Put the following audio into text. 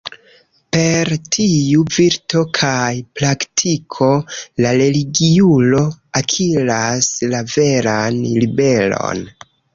Per tiu virto kaj praktiko la religiulo akiras la veran liberon.